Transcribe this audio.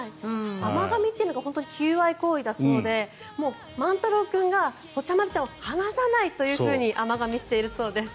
甘がみというのが本当に求愛行動だそうでマンタロー君がぽちゃ丸ちゃんを離さないというふうに甘がみしているそうです。